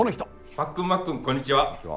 パックンマックンこんにちは。